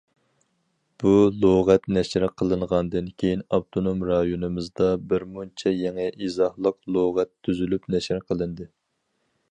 بۇ لۇغەت نەشر قىلىنغاندىن كېيىن ئاپتونوم رايونىمىزدا بىرمۇنچە يېڭى ئىزاھلىق لۇغەت تۈزۈلۈپ نەشر قىلىندى.